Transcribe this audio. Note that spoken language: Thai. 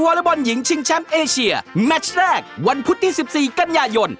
บอลหญิงชิงแชมป์เอเชียแมชแรกวันพุธที่๑๔กันยายน